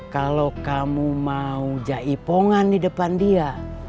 kalau kamu mau jahe pongan di depan dia